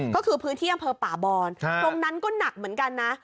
ก็คือพื้นที่อำเภอป่าบอนตรงนั้นก็หนักเหมือนกันนะ